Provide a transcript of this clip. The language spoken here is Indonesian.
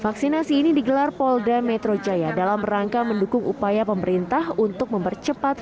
vaksinasi ini digelar polda metro jaya dalam rangka mendukung upaya pemerintah untuk mempercepat